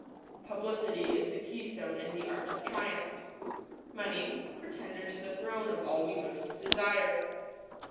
Publicity is the keystone in the Arch of Triumph. Money — pretender to the throne of all we most desire.